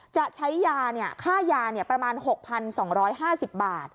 จะใช้ยาค่ายาประมาณ๖๒๕๐บาท